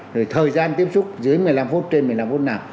rồi thời gian tiếp xúc dưới một mươi năm phút trên một mươi năm phút nào